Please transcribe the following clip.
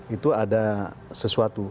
itu ada sesuatu